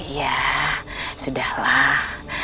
ya sudah lah